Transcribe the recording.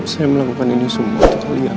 saya melakukan ini semua kalian